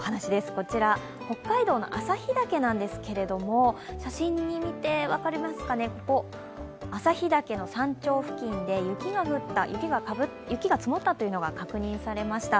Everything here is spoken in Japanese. こちら北海道の旭岳なんですけれども、写真を見て分かりますかね、旭岳の山頂付近で雪が積もったというのが確認されました。